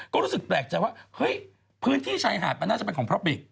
ก็รู้สึกแปลกใจว่าเฮ้ยพื้นที่ชายหาดมันน่าจะเป็นของพระบิก